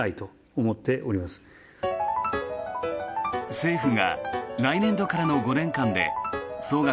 政府が来年度からの５年間で総額